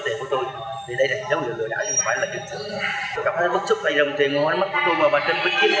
thì đây là giống như người đã nhưng không phải là chính xử